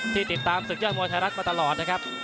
ติดตามศึกยอดมวยไทยรัฐมาตลอดนะครับ